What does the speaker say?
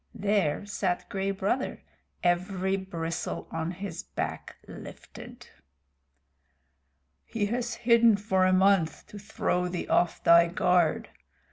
There sat Gray Brother, every bristle on his back lifted. "He has hidden for a month to throw thee off thy guard.